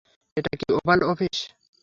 এটা কি oval office?